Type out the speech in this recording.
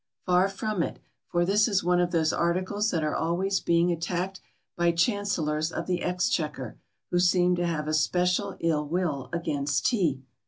Far from it, for this is one of those articles that are always being attacked by Chancellors of the Exchequer, who seem to have a special ill will against tea.